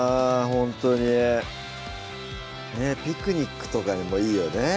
ほんとにピクニックとかにもいいよね